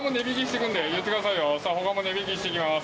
他も他も値引きしていきます